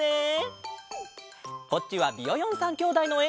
こっちはビヨヨン３きょうだいのえ！